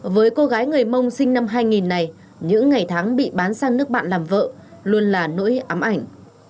với cô gái người mông sinh năm hai nghìn này những ngày tháng bị bán sang nước bạn làm vợ luôn là nỗi ám ảnh